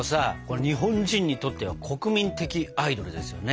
日本人にとっては国民的アイドルですよね。